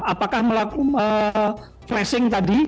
apakah melakukan flashing tadi